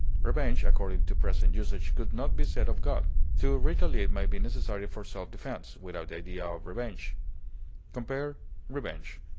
Revenge, according to present usage, could not be said of God. To retaliate may be necessary for self defense, without the idea of revenge. Compare REVENGE.